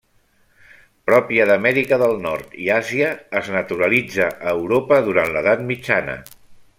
Pròpia d'Amèrica del Nord i Àsia, es naturalitza a Europa durant l'Edat Mitjana.